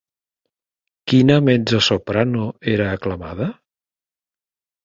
Quina mezzosoprano era aclamada?